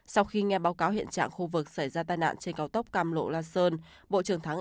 sau khi nghe báo cáo hiện trạng khu vực xảy ra tai nạn trên cao tốc cam lộ la sơn